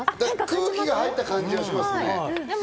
空気が入った感じがしますね。